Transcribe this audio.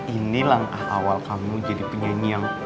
ini langkah awal kamu jadi penyanyi yang